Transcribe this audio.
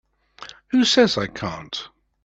Who says I can't?